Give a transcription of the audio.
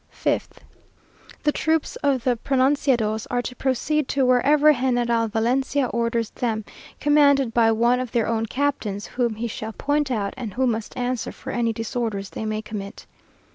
5th, The troops of the pronunciados are to proceed to wherever General Valencia orders them, commanded by one of their own captains, whom he shall point out, and who must answer for any disorders they may commit.